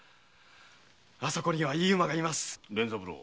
あそこにはいい馬がいます。